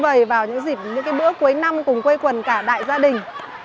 vậy vào những dịp những cái bữa cuối năm cùng quây quần cả đại gia đình